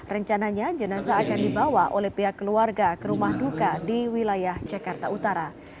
rencananya jenazah akan dibawa oleh pihak keluarga ke rumah duka di wilayah jakarta utara